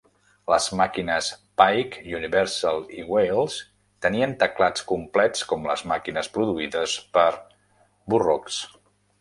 Les màquines Pike, Universal i Wales tenien teclats complets com les màquines produïdes per Burroughs.